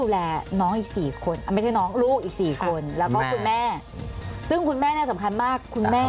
แล้วก็คุณแม่ซึ่งคุณแม่น่ะสำคัญมาก